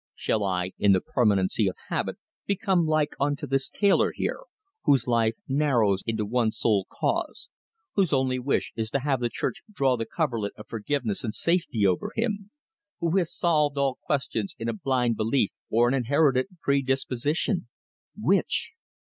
Shall I, in the permanency of habit, become like unto this tailor here, whose life narrows into one sole cause; whose only wish is to have the Church draw the coverlet of forgiveness and safety over him; who has solved all questions in a blind belief or an inherited predisposition which?